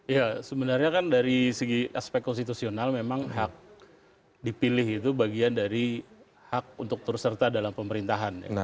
ya sebenarnya kan dari segi aspek konstitusional memang hak dipilih itu bagian dari hak untuk terus serta dalam pemerintahan